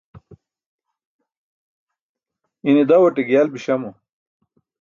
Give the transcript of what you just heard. ine dawṭe giyal biśamo